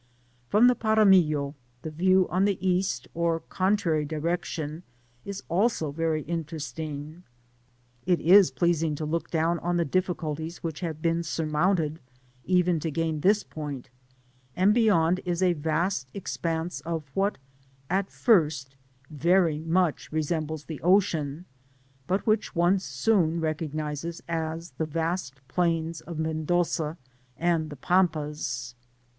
From the Paramillo, the view on the east, or contrary direction, is also very interesting. It is pleasing to look down on the di£Sculties which have been surmounted even to gain this p<Hnt ; and Digitized byGoogk THE OBSAT OQBDlLIiBRA. 139 beyimd is a vast expanse of something which, at first, very much resembles the ocean, but which one soon recognises as the vast plains ci Mendossa and die Pampas.